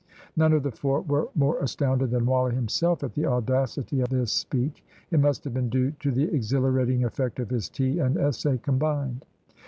None of the four were more astounded than Wally himself at the audacity of this speech. It must have been due to the exhilarating effect of his tea and essay combined.